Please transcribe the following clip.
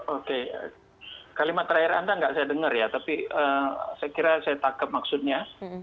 oke kalimat terakhir anda tidak saya dengar ya tapi saya kira saya takep maksudnya